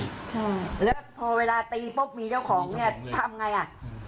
ใช่แล้วพอเวลาตีปุ๊บมีเจ้าของเนี่ยทำไงอ่ะ